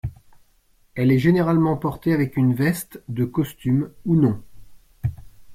Elle est généralement portée avec une veste — de costume ou non.